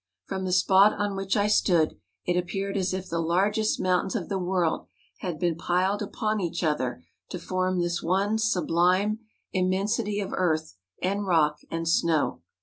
From the spot on which I stood it appeared as if tlie largest mountains of the world had been piled upon each other to form this one sublime immensity of earth, and rock, and snow.